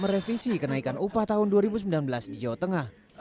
merevisi kenaikan upah tahun dua ribu sembilan belas di jawa tengah